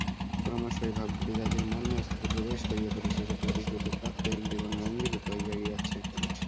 ক্রমশ ঐ ভাবগুলি জাতির মর্মস্থলে প্রবেশ করিয়া পরিশেষে প্রতীকরূপে প্রাত্যহিক জীবনের অঙ্গীভূত হইয়া গিয়াছে।